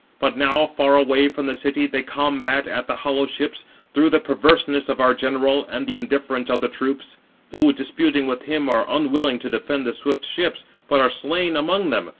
But now, far away from the city, they combat at the hollow ships, through the perverseness of our general, and the indifference of the troops; who, disputing with him, are unwilling to defend the swift ships, but are slain among them.